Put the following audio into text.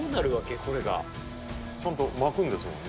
これがちゃんと巻くんですもんね